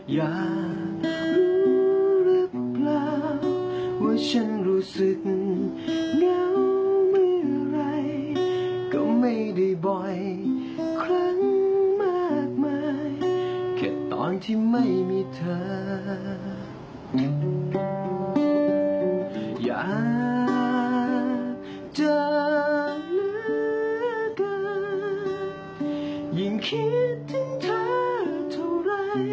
ถ้าเจอเหลือเกิดยิ่งคิดถึงเธอเท่าไหร่